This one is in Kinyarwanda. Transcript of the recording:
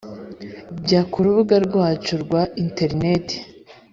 Jya ku rubuga rwacu rwa interineti